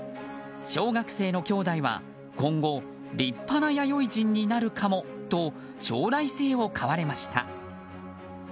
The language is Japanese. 小学生の兄弟は今後、立派な弥生人になるかもと将来性を買われました。